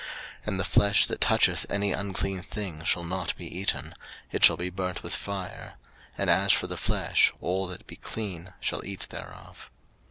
03:007:019 And the flesh that toucheth any unclean thing shall not be eaten; it shall be burnt with fire: and as for the flesh, all that be clean shall eat thereof.